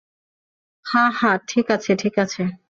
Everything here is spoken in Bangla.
হ্যাঁ হ্যাঁ, ঠিক আছে, ঠিক আছে।